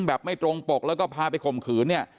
แบบไม่ตรงปกแล้วผมพาไปข่มขืน